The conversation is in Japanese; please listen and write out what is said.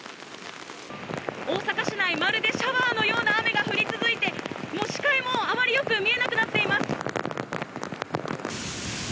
大阪市内まるでシャワーのような雨が降り続いて視界もあまりよく見えなくなっています。